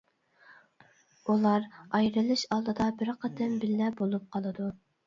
ئۇلار ئايرىلىش ئالدىدا بىر قېتىم بىللە بولۇپ قالىدۇ.